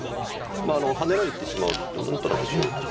まあハネられてしまうと何となく。